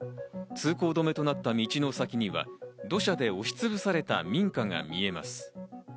通行止めとなった道の先には土砂で押しつぶされた民家が見えます。